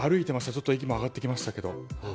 ちょっと息も上がってきました。